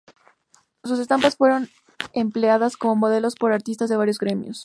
Sus estampas fueron empleadas como modelos por artistas de varios gremios.